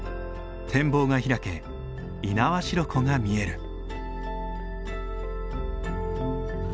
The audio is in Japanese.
展望が開け猪苗代湖が見える。